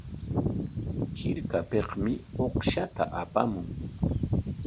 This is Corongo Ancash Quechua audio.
Hirkapikmi uqshta apamun.